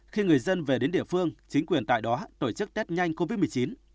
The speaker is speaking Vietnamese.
khi người dân về đến địa phương chính quyền tại đó tổ chức test nhanh covid một mươi chín